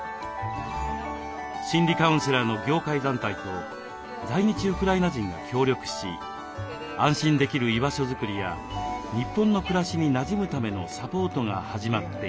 心理カウンセラーの業界団体と在日ウクライナ人が協力し安心できる居場所作りや日本の暮らしになじむためのサポートが始まっています。